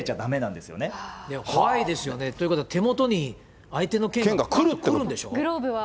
でも怖いですよね。ということは、手元に相手の剣が来るんでしょ。